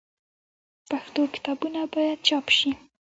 پښتو کتابونه باید چاپ سي.